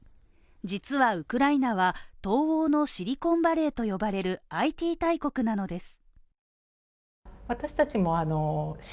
実はウクライナは、東欧のシリコンバレーと呼ばれるＩＴ大国なのです。